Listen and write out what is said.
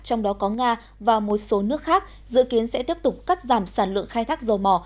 trong đó có nga và một số nước khác dự kiến sẽ tiếp tục cắt giảm sản lượng khai thác dầu mỏ